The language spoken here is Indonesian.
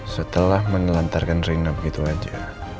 setelah menelantarkan rina begitu saja